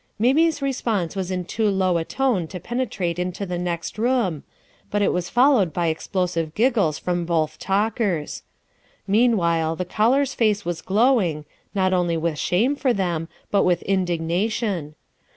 Mamie's response was in too low a tone to penetrate into the next room, but it was followed by explosive giggles from both talkers. Meanwhile, the caller's face was glowing, not only with shame for them, but with indigna tion.